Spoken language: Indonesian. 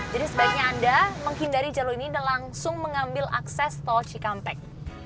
jadi sebaiknya anda menghindari jalur ini dan langsung mengambil akses tol cikampek